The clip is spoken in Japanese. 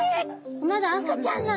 まだ赤ちゃんなんだ。